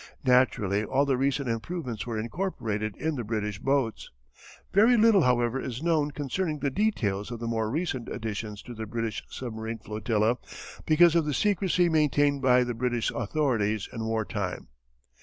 Naturally all the recent improvements were incorporated in the British boats. Very little, however, is known concerning the details of the more recent additions to the British submarine flotilla because of the secrecy maintained by the British authorities in war time.